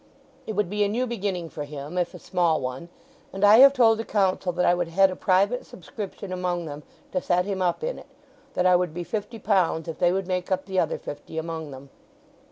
It would be a new beginning for him, if a small one; and I have told the Council that I would head a private subscription among them to set him up in it—that I would be fifty pounds, if they would make up the other fifty among them."